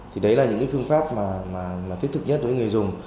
thì đấy là những phương pháp thiết thực nhất đối với người dùng